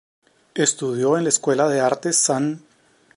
Estudió en la Escuela de Artes St.